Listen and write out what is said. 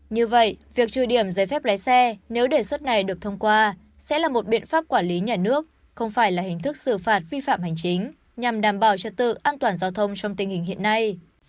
như vậy việc trừ điểm giấy phép lái xe nếu đề xuất này được thông qua sẽ là một biện pháp quản lý nhà nước không phải là hình thức xử phạt vi phạm hành chính nhằm đảm bảo trật tự an toàn giao thông trong tình hình hiện nay